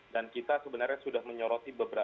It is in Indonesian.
dan kita sebenarnya sudah menyuruh